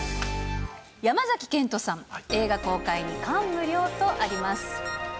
山崎賢人さん、映画公開に感無量とあります。